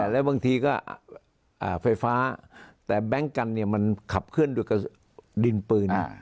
แล้วบางทีก็ไฟฟ้าแต่แบงค์กันมันขับเคลื่อนด้วยกับดินปืน